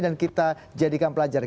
dan kita jadikan pelajaran